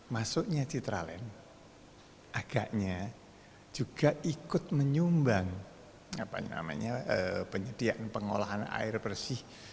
masuknya citralen agaknya juga ikut menyumbang penyediaan pengolahan air bersih